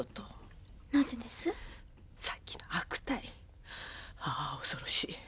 さっきの悪態ああ恐ろしい。